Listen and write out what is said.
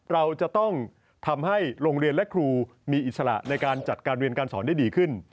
เราจะต้องทำให้โรงเรียนและครูมีอิสระในการจัดการเรียนการสอนได้ดีขึ้น